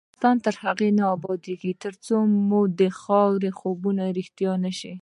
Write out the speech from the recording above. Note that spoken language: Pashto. افغانستان تر هغو نه ابادیږي، ترڅو مو ددې خاورې خوبونه رښتیا نشي.